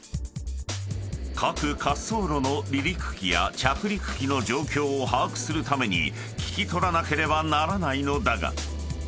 ［各滑走路の離陸機や着陸機の状況を把握するために聞き取らなければならないのだが］